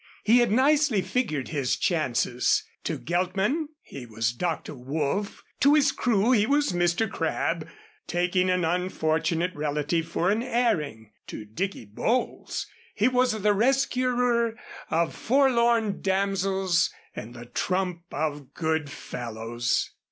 He had nicely figured his chances. To Geltman he was Dr. Woolf. To his crew he was Mr. Crabb taking an unfortunate relative for an airing; to Dicky Bowles he was the rescuer of forlorn damsels and the trump of good fellows.